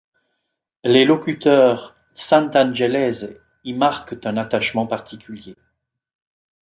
Les locuteurs Sant' Angelese y marquent un attachement particulier.